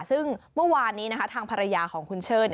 ซึ่งเมื่อวานนี้ทางภรรยาของคุณเชิด